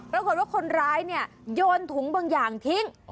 รวมกันว่าคนร้ายโยนถุงบางอย่างทิ้ง